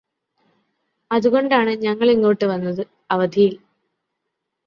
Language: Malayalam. അതുകൊണ്ടാണ് ഞങ്ങളിങ്ങോട്ട് വന്നത് അവധിയിൽ